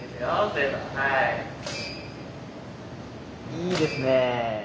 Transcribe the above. いいですね。